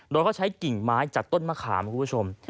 โดยเขาใช้กิ่งไม้จากต้นมะขามคุณผู้ชม